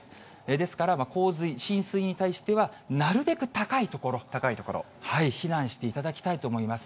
ですから、洪水、浸水に対しては、なるべく高い所、避難していただきたいと思います。